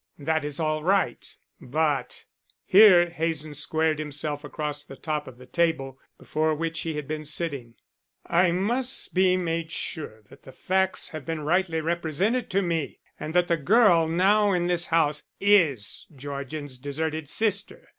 That is all right, but " Here Hazen squared himself across the top of the table before which he had been sitting; "I must be made sure that the facts have been rightly represented to me and that the girl now in this house is Georgian's deserted sister.